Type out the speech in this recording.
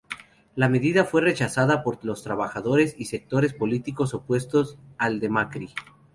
La medida fue rechazada por los trabajadores y sectores políticos opuestos al de Macri.